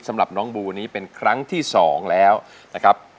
สำหรับน้องบูนี้เป็นครั้งที่๒แล้วนะครับ